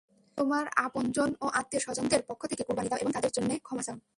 তোমার আপনজন ও আত্মীয়-স্বজনদের পক্ষ থেকে কুরবানী দাও এবং তাদের জন্যে ক্ষমা চাও।